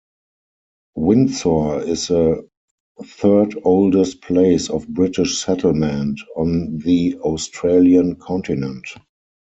Windsor is the third-oldest place of British settlement on the Australian continent.